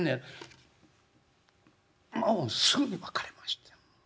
「もうすぐに別れました。